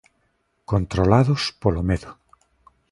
Controlados polo medo.